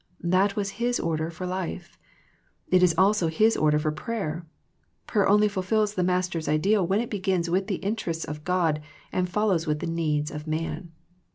That was His order for life. It is also His order for prayer. Prayer only fulfills the Master's ideal when it begins with the interests of God and follows with the needs of man.